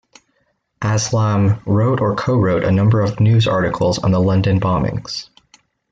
Aslam wrote or co-wrote a number of news articles on the London bombings.